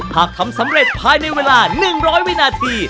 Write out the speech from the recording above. หากทำสำเร็จภายในเวลา๑๐๐วินาที